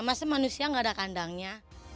masa manusia gak ada kandangnya